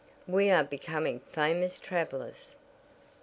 we are becoming famous travelers!"